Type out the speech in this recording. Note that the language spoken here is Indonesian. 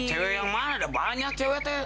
cewek yang mana ada banyak cewek